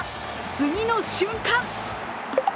次の瞬間